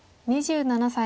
２７歳。